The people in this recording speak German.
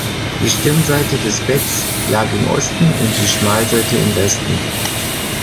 Die Stirnseite des Betts lag im Osten und die Schmalseite im Westen.